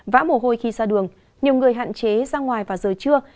vã mồ hôi khi ra đường nhiều người hạn chế ra ngoài vào giờ trưa